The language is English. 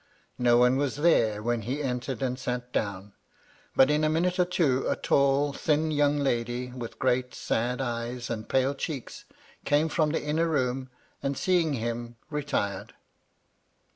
No one was there when he entered and sat down. But, in a minute or two, a tall, thin young lady, with great, sad eyes, and pale cheeks, came from the inner room, and, seeing him, retired.